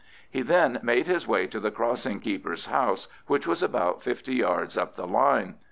He then made his way to the crossing keeper's house, which was about fifty yards up the line.